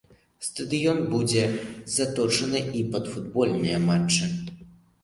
Стадыён будзе заточаны і пад футбольныя матчы.